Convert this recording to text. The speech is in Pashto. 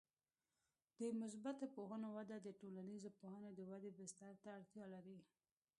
د مثبته پوهنو وده د ټولنیزو پوهنو د ودې بستر ته اړتیا لري.